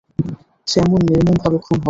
সে এমন নির্মমভাবে খুন হলো।